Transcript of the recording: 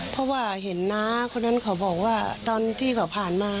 เพราะว่าเห็นน้าคนนั้นเขาบอกว่าตอนที่เขาผ่านมา